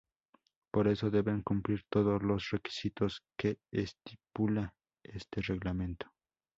Para eso deben cumplir todos los requisitos que estipula este reglamento.